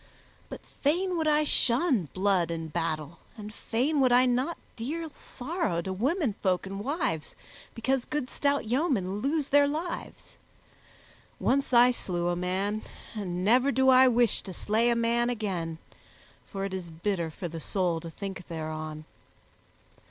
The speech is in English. But fain would I shun blood and battle, and fain would I not deal sorrow to womenfolk and wives because good stout yeomen lose their lives. Once I slew a man, and never do I wish to slay a man again, for it is bitter for the soul to think thereon.